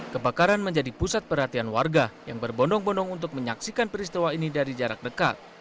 kebakaran menjadi pusat perhatian warga yang berbondong bondong untuk menyaksikan peristiwa ini dari jarak dekat